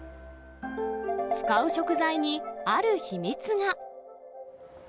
使う食材にある秘密が。